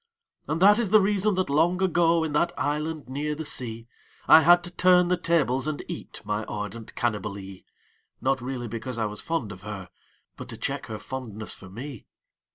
And that is the reason that long ago. In that island near the sea, I had to turn the tables and eat My ardent Cannibalee — Not really because I was fond of her, But to check her fondness for me.